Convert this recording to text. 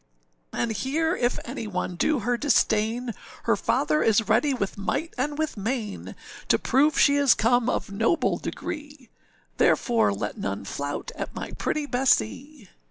âAnd here if any one do her disdain, Her father is ready with might and with main To prove she is come of noble degree, Therefore let none flout at my pretty Bessee.